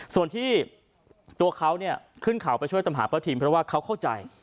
ส่วนที่ตัวเขาเนี่ยขึ้นเขาไปช่วยตามหาป้าทิมเพราะว่าเขาเข้าใจ